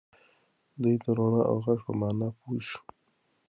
دی د رڼا او غږ په مانا پوه شو.